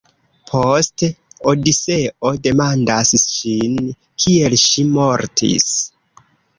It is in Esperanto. Poste Odiseo demandas ŝin kiel ŝi mortis.